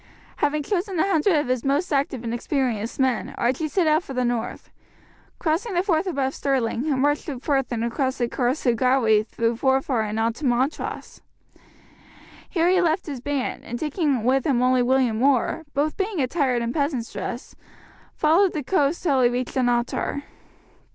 Having chosen a hundred of his most active and experienced men Archie set out for the north. Crossing the Forth above Stirling, he marched through Perth and across the Carse of Gowrie through Forfar on to Montrose. Here he left his band, and taking with him only William Orr, both being attired in peasants' dress, followed the coast till he reached Dunottar.